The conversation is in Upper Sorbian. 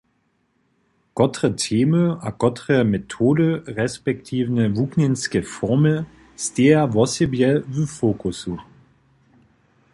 Kotre temy a kotre metody resp. wuknjenske formy steja wosebje w fokusu?